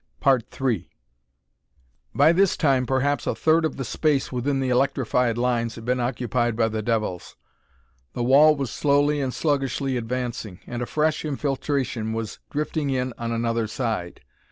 By this time perhaps a third of the space within the electrified lines had been occupied by the devils. The wall was slowly and sluggishly advancing, and a fresh infiltration was drifting in on another side.